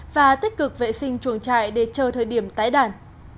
và tích cực vệ sinh chuồng trại để chờ thời điểm tái đàn